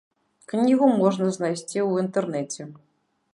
Кнігу можна знайсці ў інтэрнэце.